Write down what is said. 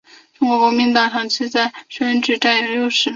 中国国民党向来在乡镇市长选举占有优势。